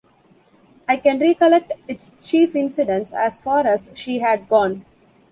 I can recollect its chief incidents, as far as she had gone.